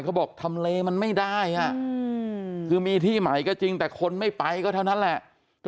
เขาบอกทำเลมันไม่ได้คือมีที่ใหม่ก็จริงแต่คนไม่ไปก็เท่านั้นแหละ